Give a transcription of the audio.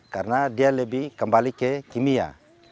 karena dia lebih kembali ke kimia